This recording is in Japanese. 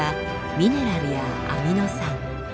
ミネラルやアミノ酸。